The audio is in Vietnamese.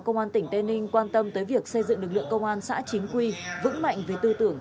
công an tỉnh tây ninh quan tâm tới việc xây dựng lực lượng công an xã chính quy vững mạnh về tư tưởng